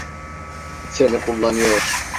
Seni kullanıyor.